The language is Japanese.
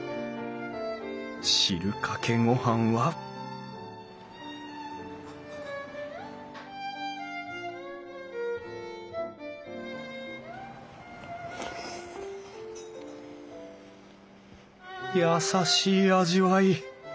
汁かけ御飯は優しい味わい。